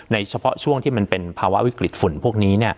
เฉพาะช่วงที่มันเป็นภาวะวิกฤตฝุ่นพวกนี้